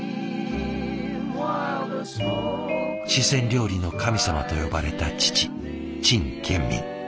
「四川料理の神様」と呼ばれた父陳建民。